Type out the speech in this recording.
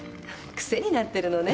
クセになってるのね。